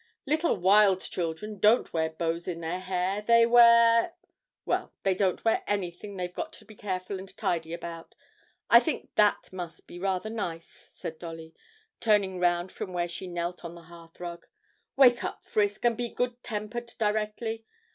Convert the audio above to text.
'Little wild children don't wear bows in their hair; they wear well, they don't wear anything they've got to be careful and tidy about. I think that must be rather nice,' said Dolly, turning round from where she knelt on the hearthrug. 'Wake up, Frisk, and be good tempered directly.